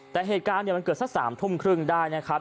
แต่เหตุการณ์มันเกิดสัก๓ทุ่มครึ่งได้นะครับ